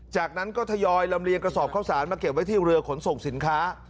จากนั้นก็ทยอยลำเลียงกระสอบข้าวสารมาเก็บไว้ที่เรือขนส่งสินค้า